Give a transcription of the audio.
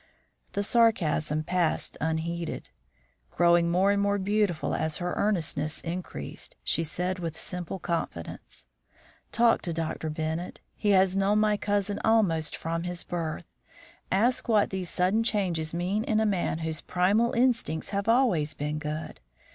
The sarcasm passed unheeded. Growing more and more beautiful as her earnestness increased, she said with simple confidence: "Talk to Dr. Bennett; he has known my cousin almost from his birth. Ask what these sudden changes mean in a man whose primal instincts have always been good.